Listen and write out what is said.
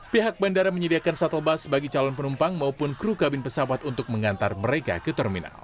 pihak bandara menyediakan shuttle bus bagi calon penumpang maupun kru kabin pesawat untuk mengantar mereka ke terminal